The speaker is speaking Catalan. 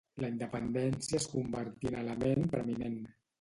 La independència es convertí en element preminent